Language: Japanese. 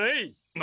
何？